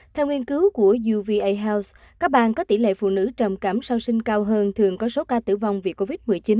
theo nghiên cứu của uva house các bang có tỷ lệ phụ nữ trầm cảm sau sinh cao hơn thường có số ca tử vong vì covid một mươi chín